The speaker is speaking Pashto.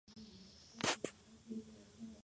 پازوالان د يوې ليکنې د ړنګولو واک لري.